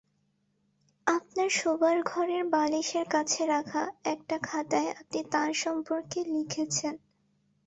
আপনার শোবার ঘরের বালিশের কাছে রাখা একটা খাতায় আপনি তাঁর সম্পর্কে লিখেছেন।